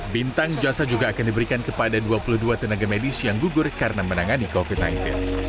bintang jasa juga akan diberikan kepada dua puluh dua tenaga medis yang gugur karena menangani covid sembilan belas